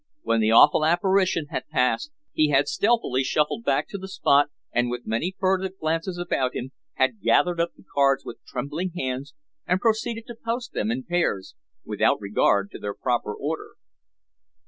When the awful apparition had passed he had stealthily shuffled back to the spot and with many furtive glances about him had gathered up the cards with trembling hands, and proceeded to post them in pairs without regard to their proper order.